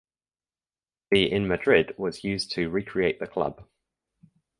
The in Madrid was used to recreate the club.